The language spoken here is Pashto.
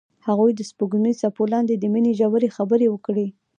هغوی د سپوږمیز څپو لاندې د مینې ژورې خبرې وکړې.